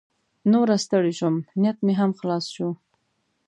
نوره ستړې شوم، نیټ مې هم خلاص شو.